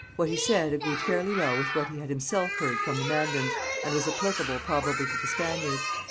What he said agreed fairly well with what he had himself heard from the Mandans, and was applicable probably to the Spaniards.